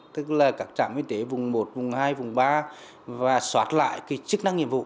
tức là các trạm y tế vùng một vùng hai vùng ba và soát lại cái chức năng nhiệm vụ